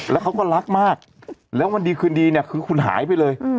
แล้วเขาก็รักมากแล้ววันดีคืนดีเนี่ยคือคุณหายไปเลย